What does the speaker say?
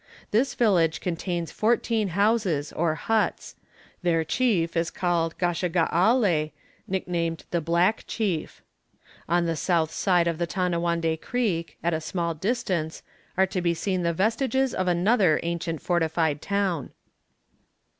This village contains fourteen houses, or huts; their chief is called Gashagaàle, nicknamed the black chief. On the south side of the Tanawande Creek, at a small distance, are to be seen the vestiges of another ancient fortified town."